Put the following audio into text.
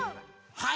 はい！